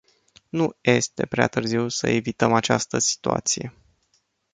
Nu este prea târziu să evităm această situație.